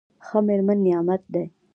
ښه مېرمن نعمت دی.